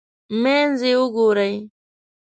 منځ یې وګورئ.